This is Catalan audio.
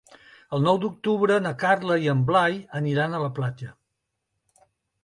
El nou d'octubre na Carla i en Blai aniran a la platja.